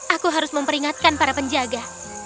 aku harus memperingatkan para penjaga